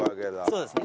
そうですね。